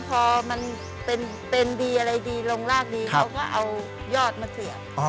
พอมันเป็นดีอะไรดีลงรากดีเขาก็เอายอดมาเสียบ